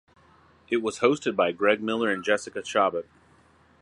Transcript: It was hosted by Greg Miller and Jessica Chobot.